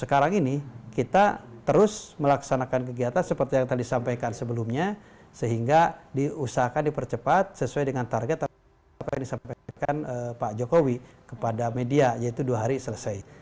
sekarang ini kita terus melaksanakan kegiatan seperti yang tadi disampaikan sebelumnya sehingga diusahakan dipercepat sesuai dengan target apa yang disampaikan pak jokowi kepada media yaitu dua hari selesai